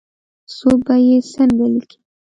څوک به یې څنګه لیکي ؟